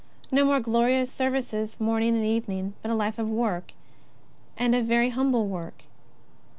No more glori ous services morning and evening, but a life of work, and of very humble work.